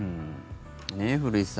古市さん